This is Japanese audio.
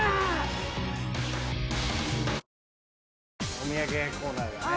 お土産屋コーナーだね。